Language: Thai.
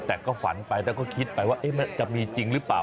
แต่ก็ฝันไปแล้วก็คิดไปว่ามันจะมีจริงหรือเปล่า